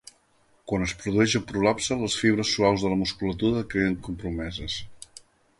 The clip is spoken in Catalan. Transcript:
Quan es produeix el prolapse, les fibres suaus de la musculatura queden compromeses.